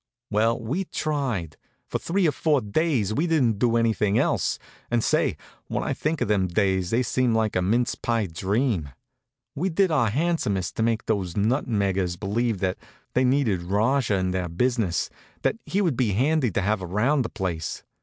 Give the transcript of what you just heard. Well, we tried. For three or four days we didn't do anything else; and say, when I think of them days they seem like a mince pie dream. We did our handsomest to make those Nutmeggers believe that they needed Rajah in their business, that he would be handy to have around the place.